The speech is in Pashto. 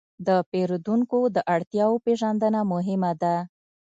د پیرودونکو د اړتیاوو پېژندنه مهمه ده.